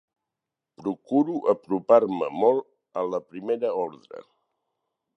Procuro apropar-me molt a la Primera Ordre.